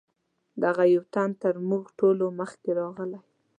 دغه یو تن تر موږ ټولو مخکې راغلی.